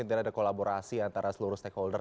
tidak ada kolaborasi antara seluruh stakeholder